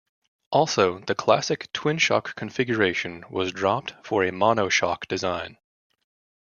Also, the classic twin-shock configuration was dropped for a mono shock design.